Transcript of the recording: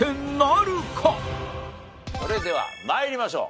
それでは参りましょう。